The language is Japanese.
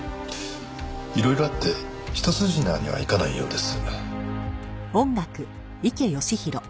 いろいろあって一筋縄にはいかないようです。